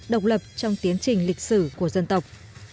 độc lập trong tiến trình lịch sử của dân tộc